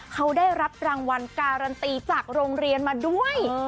เขาได้รับรางวัลการันตีจากโรงเรียนมาด้วย